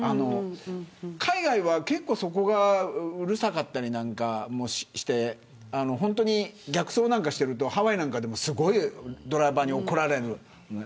海外は、そこがうるさかったりなんかもして逆走なんかしてるとハワイでもすごいドライバーに怒られる。